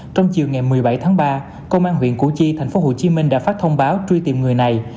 trong chiều ngày một mươi bảy tháng ba công an huyện củ chi tp hcm đã phát thông báo truy tìm người này